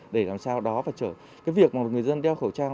để làm sao đó và trở cái việc mà người dân đeo khẩu trang